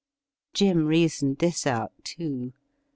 Jim reasoned this out, too.